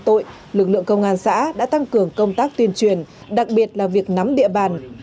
tội lực lượng công an xã đã tăng cường công tác tuyên truyền đặc biệt là việc nắm địa bàn